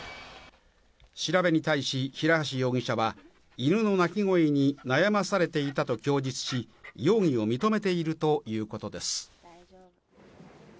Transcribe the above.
調べに対し、平橋容疑者は、犬の鳴き声に悩まされていたと供述し、容疑を認めているということです。